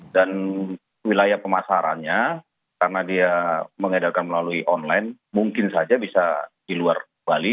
dan wilayah pemasarannya karena dia mengedarkan melalui online mungkin saja bisa di luar bali